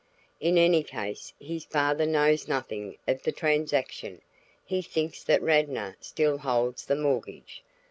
In any case his father knows nothing of the transaction; he thinks that Radnor still holds the mortgage.